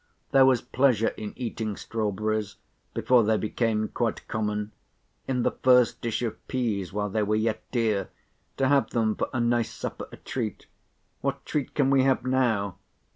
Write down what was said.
"There was pleasure in eating strawberries, before they became quite common—in the first dish of peas, while they were yet dear—to have them for a nice supper, a treat. What treat can we have now?